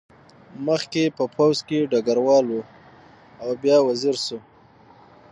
مخکې یې په پوځ کې ډګروال و او بیا وزیر شو.